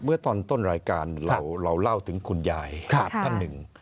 เมื่อตอนต้นรายการเราเล่าถึงคุณยายท่านหนึ่ง